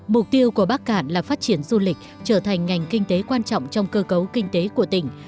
mục tiêu của bắc cạn là phát triển du lịch trở thành ngành kinh tế quan trọng trong cơ cấu kinh tế của tỉnh